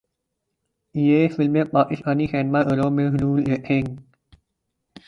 یہ فلمیں پاکستانی سینما گھروں میں ضرور دیکھیں